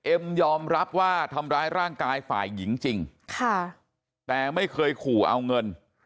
ยอมรับว่าทำร้ายร่างกายฝ่ายหญิงจริงค่ะแต่ไม่เคยขู่เอาเงิน